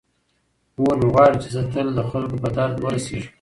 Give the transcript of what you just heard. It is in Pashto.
مور مې غواړي چې زه تل د خلکو په درد ورسیږم.